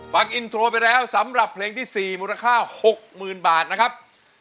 ฟังอินโทรไปแล้วสำหรับเพลงที่๔มูลค่า๖๐๐๐บาทนะครับ